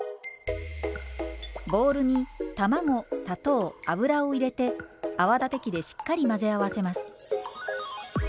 ボウルに卵砂糖油を入れて泡立て器でしっかり混ぜ合わせます。